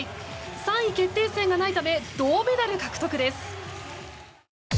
３位決定戦がないため銅メダル獲得です。